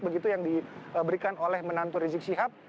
begitu yang diberikan oleh menantu rizik syihab